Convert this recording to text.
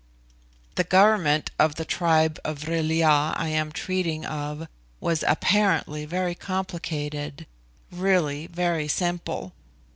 The government of the tribe of Vril ya I am treating of was apparently very complicated, really very simple.